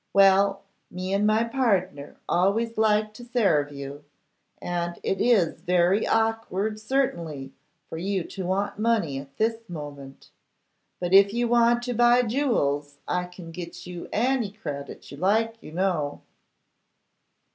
'Well, me and my pardner always like to sarve you, and it is very awkward certainly for you to want money at this moment. But if you want to buy jewels, I can get you any credit you like, you know.